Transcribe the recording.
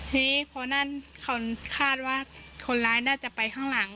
ทีนี้พอนั่นเขาคาดว่าคนร้ายน่าจะไปข้างหลัง